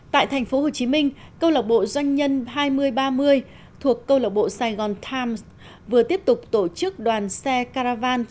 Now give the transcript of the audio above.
tại thành phố hồ chí minh câu lạc bộ doanh nhân hai nghìn ba mươi thuộc câu lạc bộ saigon times vừa tiếp tục tổ chức đoàn xe caravan